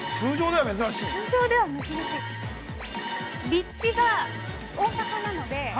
立地が大阪なので。